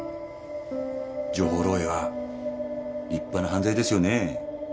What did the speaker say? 情報漏えいは立派な犯罪ですよね。